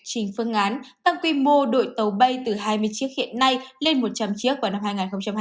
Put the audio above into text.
trình phương án tăng quy mô đội tàu bay từ hai mươi chiếc hiện nay lên một trăm linh chiếc vào năm hai nghìn hai mươi